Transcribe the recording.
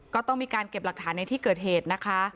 ก็ต้องมีการเก็บหลักฐานในที่เกิดเหตุนะคะ